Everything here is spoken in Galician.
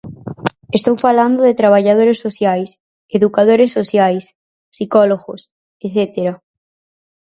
Estou falando de traballadores sociais, educadores sociais, psicólogos etcétera.